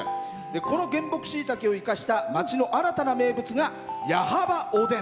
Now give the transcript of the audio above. この原木しいたけを生かした町の新たな名物がやはばおでん。